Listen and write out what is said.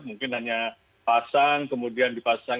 mungkin hanya pasang kemudian dipasang